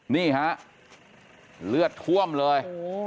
นี่ฮะเลือดท่วมเลย